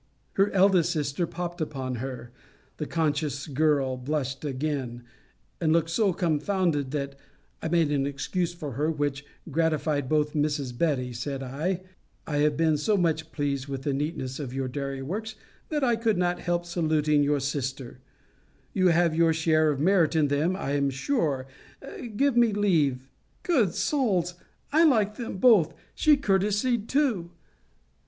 Her eldest sister popt upon her. The conscious girl blushed again, and looked so confounded, that I made an excuse for her, which gratified both. Mrs. Betty, said I, I have been so much pleased with the neatness of your dairy works, that I could not help saluting your sister: you have your share of merit in them, I am sure Give me leave Good souls! I like them both she courtesied too!